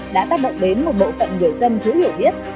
đã tác động đến một bộ phận người dân thiếu hiểu biết